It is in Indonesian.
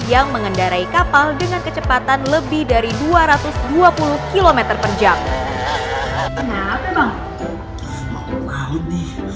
yang mengendarai kapal dengan kecepatan lebih dari dua ratus dua puluh km per jam kenapa mau